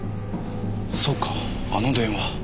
そうかあの電話。